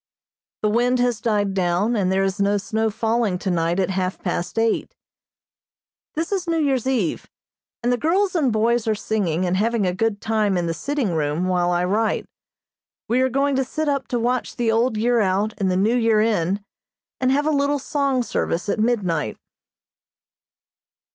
The wind has died down, and there is no snow falling tonight at half past eight. This is New Year's Eve, and the girls and boys are singing, and having a good time in the sitting room while I write. We are going to sit up to watch the old year out and the new year in, and have a little song service at midnight.